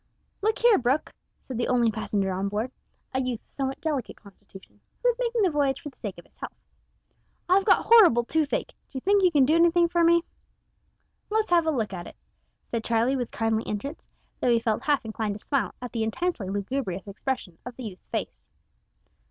"Look here, Brooke," said the only passenger on board a youth of somewhat delicate constitution, who was making the voyage for the sake of his health, "I've got horrible toothache. D'you think you can do anything for me?" "Let's have a look at it," said Charlie, with kindly interest, though he felt half inclined to smile at the intensely lugubrious expression of the youth's face.